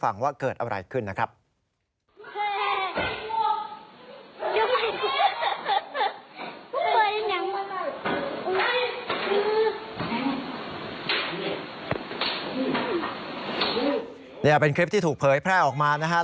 นี่เป็นคลิปที่ถูกเผยแพร่ออกมานะฮะ